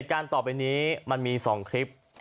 เหตุการณ์ต่อไปนี้มันมี๒คลิป